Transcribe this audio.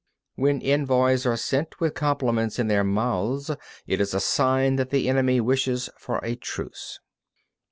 38. When envoys are sent with compliments in their mouths, it is a sign that the enemy wishes for a truce.